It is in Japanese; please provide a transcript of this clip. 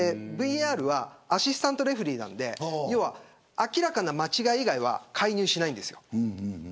ＶＡＲはアシスタントレフェリーなので明らかな間違い以外は介入しないんです。